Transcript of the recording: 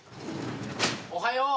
おはよう。